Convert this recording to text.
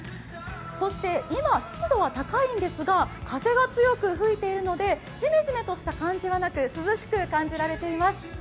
そして今、湿度は高いんですが、風が強く吹いているのでじめじめとした感じはなく涼しく感じられています。